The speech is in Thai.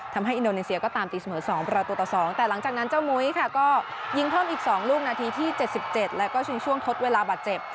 ทำให้อินโดนีเซียก็ตามตีเสมอ๒ประตูต่อ๒แต่หลังจากนั้นเจ้ามุ้ยค่ะก็ยิงเพิ่มอีก๒ลูกนาทีที่๗๗แล้วก็ชิงช่วงทดเวลาบาดเจ็บ